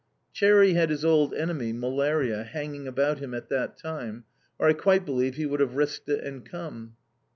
"Cherry" had his old enemy, malaria, hanging about him at that time, or I quite believe he would have risked it and come.